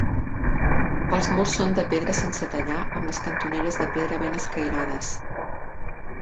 Els murs són de pedra sense tallar amb les cantoneres de pedra ben escairades.